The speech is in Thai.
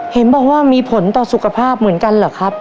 เห็นบอกว่ามีผลต่อสุขภาพเหมือนกันเหรอครับ